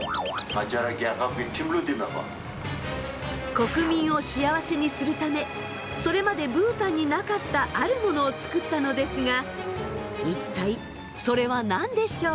国民を幸せにするためそれまでブータンになかったあるモノをつくったのですが一体それは何でしょう？